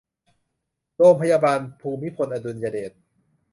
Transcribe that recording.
โรงพยาบาลภูมิพลอดุลยเดช